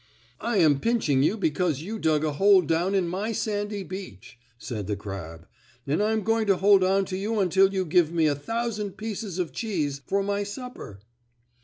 "I am pinching you because you dug a hole down in my sandy beach," said the crab, "and I'm going to hold on to you until you give me a thousand pieces of cheese for my supper."